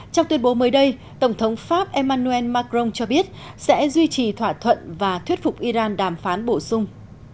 trong tuyên bố mới đây tổng thống pháp emmanuel macron cho biết sẽ duy trì thỏa thuận và thuyết phục iran đàm phán bổ sung